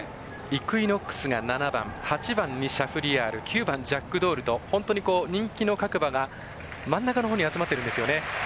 イクイノックスが７番８番、シャフリヤール９番、ジャックドールと本当に人気の各馬が真ん中のほうに集まってるんですね。